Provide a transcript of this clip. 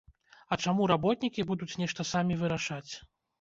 А чаму работнікі будуць нешта самі вырашаць?